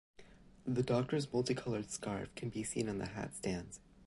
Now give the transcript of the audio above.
The Doctor's multi-coloured scarf can be seen on the hatstand.